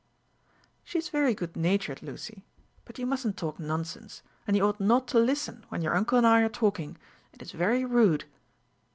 "She is very good natured, Lucy; but you mustn't talk nonsense; and you ought not to listen when your uncle and I are talking. It is very rude."